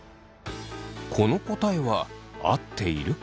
この答えは合っているか？